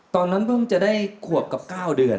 ตอนนั้นเพิ่งจะได้ขวบกับ๙เดือน